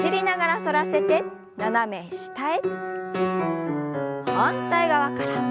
反対側から。